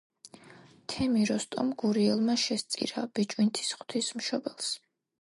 თემი როსტომ გურიელმა შესწირა ბიჭვინთის ღვთისმშობელს.